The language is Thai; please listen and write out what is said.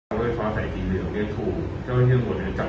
โดยความสาธารณีหรือของเรียนถูก